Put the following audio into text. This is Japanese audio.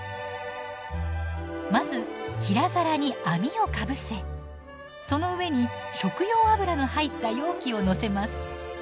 まず平皿に網をかぶせその上に食用油の入った容器を載せます。